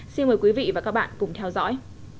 xin mời quý vị và các bạn cùng theo dõi